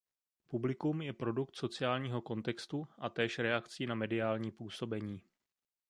Publikum je produkt sociálního kontextu a též reakcí na mediální působení.